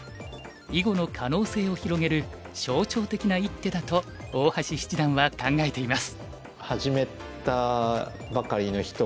囲碁の可能性を広げる象徴的な一手だと大橋七段は考えています。